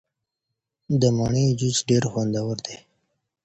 د مڼې جوس ډیر خوندور دی.